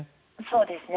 そうですね。